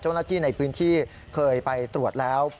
เจ้าหน้าที่ในพื้นที่เคยไปตรวจแล้ว